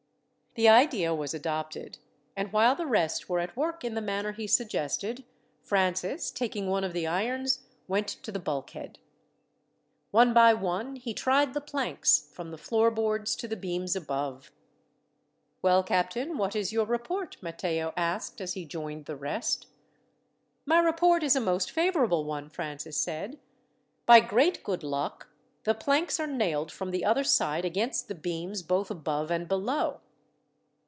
The idea was adopted; and while the rest were at work in the manner he suggested, Francis, taking one of the irons, went to the bulkhead. One by one he tried the planks, from the floor boards to the beams above. "Well, captain, what is your report?" Matteo asked as he joined the rest. "My report is a most favourable one," Francis said. "By great good luck, the planks are nailed from the other side against the beams both above and below."